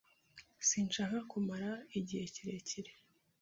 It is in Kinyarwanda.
Sinshaka kumara igihe kirekire.